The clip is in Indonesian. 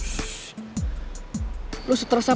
sekarang gue mau berjalan